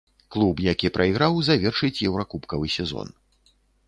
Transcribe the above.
Клуб, які прайграў, завершыць еўракубкавы сезон.